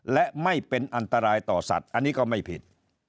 และไม่เป็นอันตรายต่อสัตว์อันนี้ก็ไม่ผิด